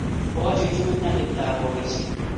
kochuchuch nyalidab boishek